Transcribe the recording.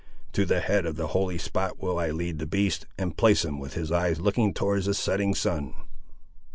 To the head of the holy spot will I lead the beast, and place him with his eyes looking towards the setting sun."